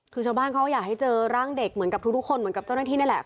คือชาวบ้านเขาอยากให้เจอร่างเด็กเหมือนกับทุกคนเหมือนกับเจ้าหน้าที่นั่นแหละ